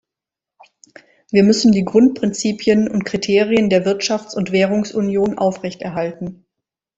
Wir müssen die Grundprinzipien und Kriterien der Wirtschafts- und Währungsunion aufrechterhalten.